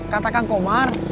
kata kang komar